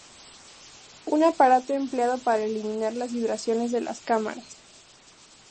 Un aparato empleado para eliminar las vibraciones de las cámaras.